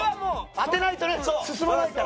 当てないとね進まないから。